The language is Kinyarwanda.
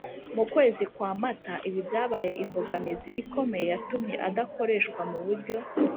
mu kwezi kwa Mata Ibi byabaye imbogamizi ikomeye yatumye adakoreshwa mu buryo